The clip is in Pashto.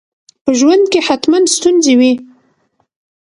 په ژوند کي حتماً ستونزي وي.